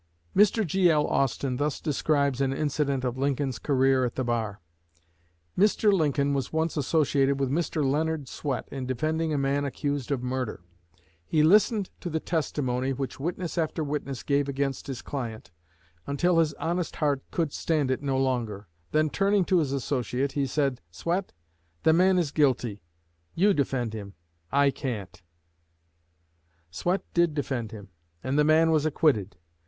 Mr. G.L. Austin thus describes an incident of Lincoln's career at the bar: "Mr. Lincoln was once associated with Mr. Leonard Swett in defending a man accused of murder. He listened to the testimony which witness after witness gave against his client, until his honest heart could stand it no longer; then, turning to his associate, he said: 'Swett, the man is guilty; you defend him; I can't.' Swett did defend him, and the man was acquitted.